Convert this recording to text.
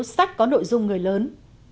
sách có nội dung người lớn